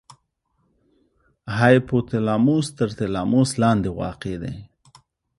هایپو تلاموس تر تلاموس لاندې واقع دی.